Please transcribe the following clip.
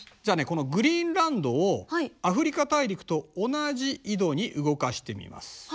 じゃあねこのグリーンランドをアフリカ大陸と同じ緯度に動かしてみます。